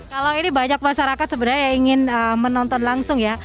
kalau ini banyak masyarakat sebenarnya yang ingin menonton langsung ya